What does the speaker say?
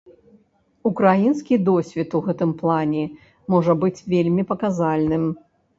Украінскі досвед у гэтым плане можа быць вельмі паказальным.